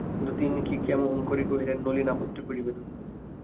কিন্তু তিনি কি– ক্ষেমংকরী কহিলেন, নলিন আপত্তি করিবে না।